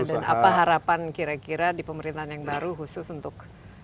dan apa harapan kira kira di pemerintahan yang baru khusus untuk